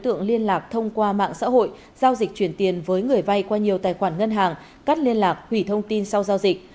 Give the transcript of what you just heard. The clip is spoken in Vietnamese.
thông qua mạng xã hội giao dịch chuyển tiền với người vay qua nhiều tài khoản ngân hàng cắt liên lạc hủy thông tin sau giao dịch